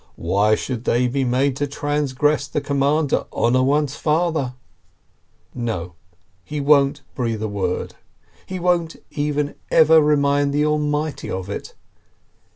Why should they be made to trans gress the command to honor one's father?" No, he won't breathe a word. He won't even ever remind the Almighty of it.